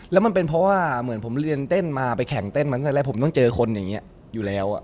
แล้วมันเป็นเพราะว่าเหมือนผมเรียนเต้นมาไปแข่งเต้นมาตั้งแต่แรกผมต้องเจอคนอย่างนี้อยู่แล้ว